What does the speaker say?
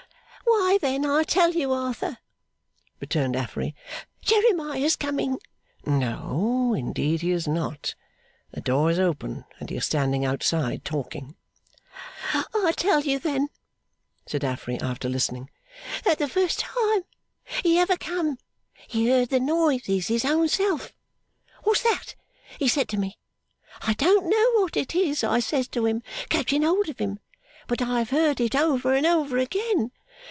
'Why, then I'll tell you, Arthur,' returned Affery 'Jeremiah's coming!' 'No, indeed he is not. The door is open, and he is standing outside, talking.' 'I'll tell you then,' said Affery, after listening, 'that the first time he ever come he heard the noises his own self. "What's that?" he said to me. "I don't know what it is," I says to him, catching hold of him, "but I have heard it over and over again."